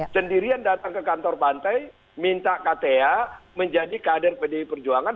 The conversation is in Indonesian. sendirian datang ke kantor pantai minta kta menjadi kader pdi perjuangan